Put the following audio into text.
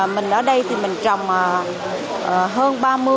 mình ở đây thì mình trồng hơn ba mươi